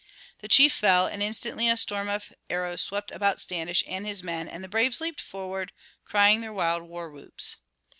The chief fell, and instantly a storm of arrows swept about Standish and his men and the braves leaped forward, crying their wild war whoops.